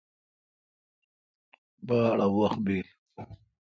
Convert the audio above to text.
باڑ اؘ وحت بیل۔